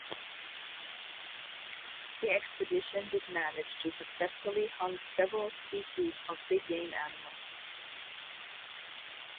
The expedition did manage to successfully hunt several species of big game animals.